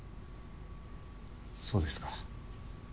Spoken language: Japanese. そうですか。